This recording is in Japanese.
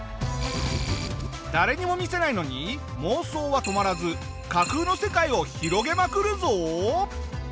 誰にも見せないのに妄想は止まらず架空の世界を広げまくるぞ！